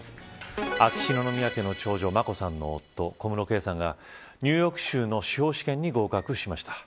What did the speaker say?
秋篠宮家の長女、眞子さんの夫小室圭さんがニューヨーク州の司法試験に合格しました。